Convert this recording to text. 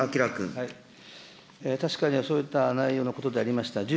確かに、そういった内容のことでありました。